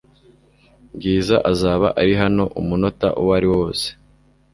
Bwiza azaba ari hano umunota uwariwo wose .